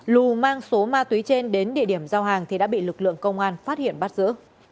lù mang số ma túy trên đến địa điểm giao hàng thì đã bị lực lượng công an phát hiện bắt giữ